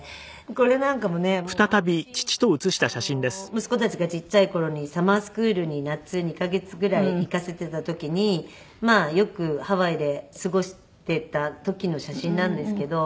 これなんかもね毎年息子たちがちっちゃい頃にサマースクールに夏２カ月ぐらい行かせていた時にまあよくハワイで過ごしていた時の写真なんですけど。